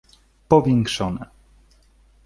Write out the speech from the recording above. Powiększone.